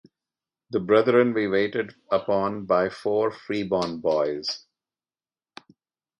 The brethren were waited upon by four freeborn boys.